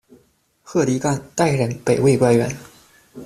贺狄干，代人，北魏官员。